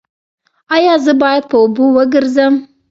ایا زه باید په اوبو وګرځم؟